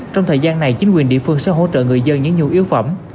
trong thời gian này chính quyền địa phương sẽ hỗ trợ người dân những nhu yếu phẩm